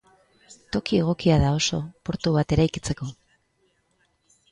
Toki egokia da oso portu bat eraikitzeko.